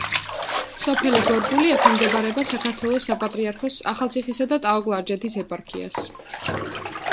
სოფელი გორგული ექვემდებარება საქართველოს საპატრიარქოს ახალციხისა და ტაო-კლარჯეთის ეპარქიას.